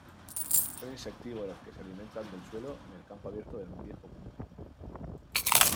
Son insectívoros que se alimentan del suelo en el campo abierto del Viejo Mundo.